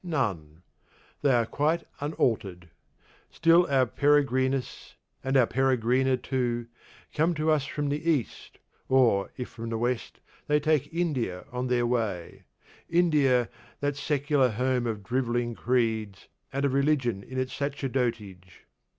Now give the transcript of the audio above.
None; they are quite unaltered. Still our Perigrinus, and our Perigrina too, come to us from the East, or, if from the West, they take India on their way India, that secular home of drivelling creeds, and of religion in its sacerdotage.